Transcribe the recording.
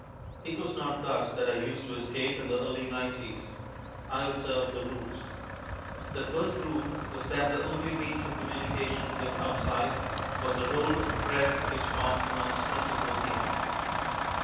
It was not thus that I used to escape in the early nineties. I observed the rules. The first rule was that the only means of communication with outside was the roll of bread which formed one's principal meal.